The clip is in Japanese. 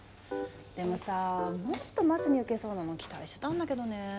でもさあもっとマスに受けそうなの期待してたんだけどねえ。